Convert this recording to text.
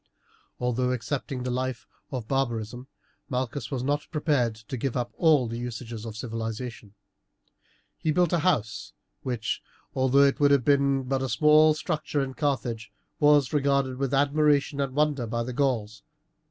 Although accepting the life of barbarism Malchus was not prepared to give up all the usages of civilization. He built a house, which, although it would have been but a small structure in Carthage, was regarded with admiration and wonder by the Gauls.